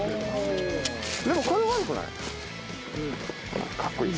でもこれは悪くない。